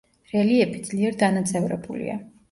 რელიეფი ძლიერ დანაწევრებულია.